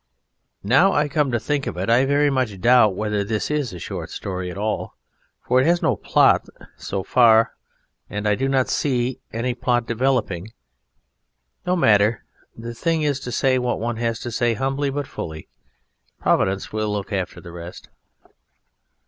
Now I come to think of it, I very much doubt whether this is a short story at all, for it has no plot so far and I do not see any plot developing. No matter. The thing is to say what one has to say humbly but fully. Providence will look after the rest.